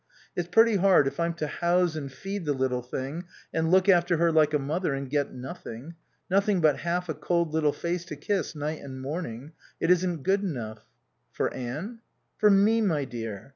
It's pretty hard if I'm to house and feed the little thing and look after her like a mother and get nothing. Nothing but half a cold little face to kiss night and morning. It isn't good enough." "For Anne?" "For me, my dear.